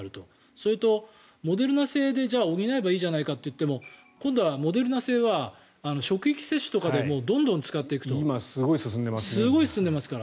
それとモデルナ製で補えばいいじゃないかといっても今度はモデルナ製は職域接種とかで今すごい進んでますから。